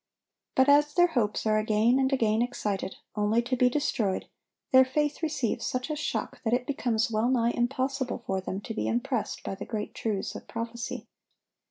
But as their hopes are again and again excited, only to be destroyed, their faith receives such a shock that it becomes well nigh impossible for them to be impressed by the great truths of prophecy.